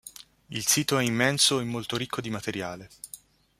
Il sito è immenso e molto ricco di materiale.